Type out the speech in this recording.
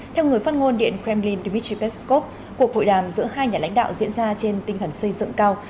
theo người phát ngôn điện kremlin dmitry peskov cuộc hội đàm giữa hai nhà lãnh đạo diễn ra trên tinh thần xây dựng cao